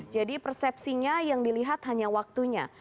jadi persepsinya yang dilihat hanya waktunya